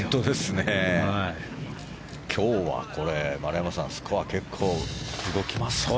今日は、丸山さんスコア、結構動きますね。